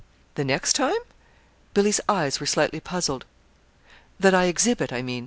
"The next time?" Billy's eyes were slightly puzzled. "That I exhibit, I mean.